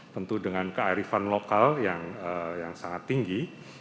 tentu dengan kearifan lokal yang sangat tinggi